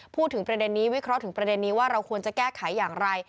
พูดถึงประเด็นนี้วิเคราะห์ถึงประเด็นนี้ว่าเราควรจะแก้ไขอย่างไร